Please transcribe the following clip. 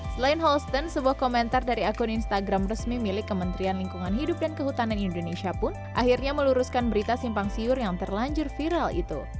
selain holstan sebuah komentar dari akun instagram resmi milik kementerian lingkungan hidup dan kehutanan indonesia pun akhirnya meluruskan berita simpang siur yang terlanjur viral itu